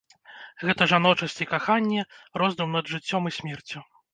Гэта жаночасць і каханне, роздум над жыццём і смерцю.